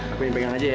aku yang pegang aja ya